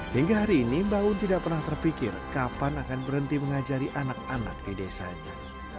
hingga hari ini mbah un tidak pernah terpikir kapan akan berhenti mengajari anak anak di desanya